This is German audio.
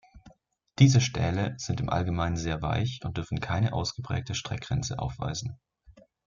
Diese Stähle sind im Allgemeinen sehr weich und dürfen keine ausgeprägte Streckgrenze aufweisen.